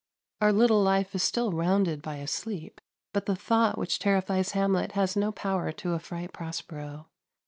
Our little life is still rounded by a sleep, but the thought which terrifies Hamlet has no power to affright Prospero.